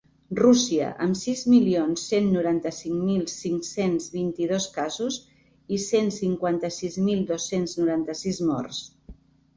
Rússia, amb sis milions cent noranta-cinc mil cinc-cents vint-i-dos casos i cent cinquanta-sis mil dos-cents noranta-sis morts.